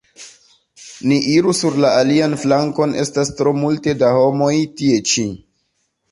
Ni iru sur la alian flankon; estas tro multe da homoj tie ĉi.